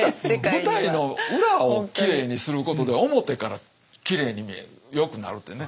舞台の裏をきれいにすることで表からきれいに見えるよくなるってね。